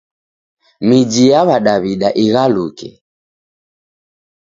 Miji ya w'adaw'ida ighaluke.